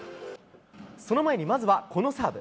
その前に、まずはこのサーブ。